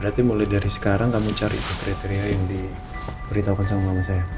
jadi mulai dari sekarang kamu cari kriteria yang diberitahukan sama mama saya